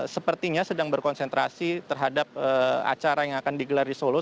sepertinya sedang berkonsentrasi terhadap acara yang akan digelar di solo